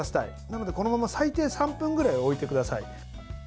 なのでこのまま最低３分ぐらい置いてください。